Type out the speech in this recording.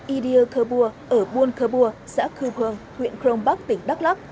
idil khabur ở buôn khabur xã khư phường huyện khrong bắc tỉnh đắk lắk